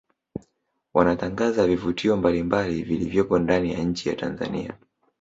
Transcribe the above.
Wanatangaza vivutio mbalimbali vilivyopo ndani ya nchi ya Tanzania